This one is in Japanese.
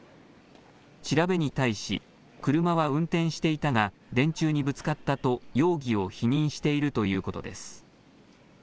調べに対し車は運転していたが電柱にぶつかったと容疑を否認しているということです。